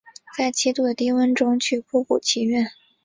在七度的低温中去瀑布祈愿